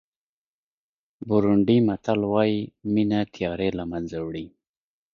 بورونډي متل وایي مینه تیارې له منځه وړي.